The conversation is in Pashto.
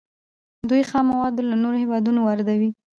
دوی خام مواد له نورو هیوادونو واردوي.